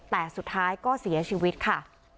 แต่สุดท้ายก็เสียชีวิตค่ะ